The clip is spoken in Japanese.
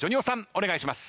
お願いします。